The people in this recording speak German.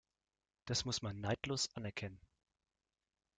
Das muss man neidlos anerkennen.